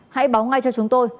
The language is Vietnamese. hãy báo ngay cho chúng tôi